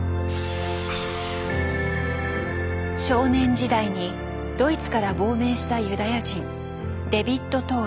少年時代にドイツから亡命したユダヤ人